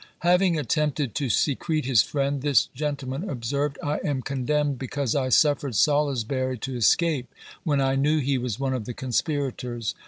Having attempted to secrete his friend, this gentleman observed, "I am condemned, because I suffered Salusbury to escape, when I knew he was one of the conspirators.